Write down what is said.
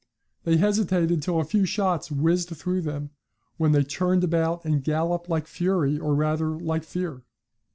They hesitated till a few shots whizzed through them, when they turned about, and galloped like fury, or, rather, like fear.